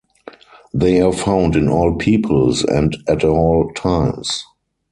They are found in all peoples and at all times.